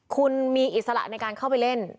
คุณมีอิสระในการเข้าไปเล่น